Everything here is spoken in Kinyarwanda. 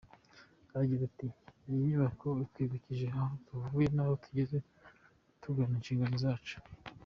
Agira ati “Iyi nyubako itwibukije aho tuvuye n’aho tugeze tugana inshingano zacu.